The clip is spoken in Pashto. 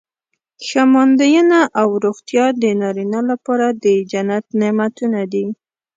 ښه ماندینه او روغتیا د نارینه لپاره د جنت نعمتونه دي.